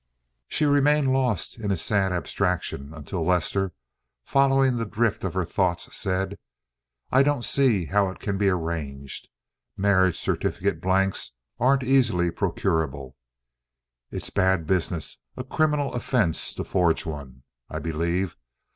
She remained lost in a sad abstraction, until Lester, following the drift of her thoughts, said: "I don't see how it can be arranged. Marriage certificate blanks aren't easily procurable. It's bad business—a criminal offense to forge one, I believe.